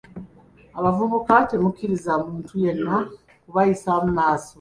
Abavubuka temukkiriza muntu yenna kubayisaamu maaso.